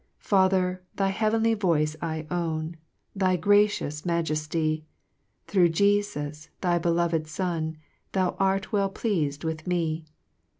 2 Father, thy heavenly voice I own, Thy gracious majefty ; Thro' Jefus, thy beloved Son, Thou art well pleas'd with me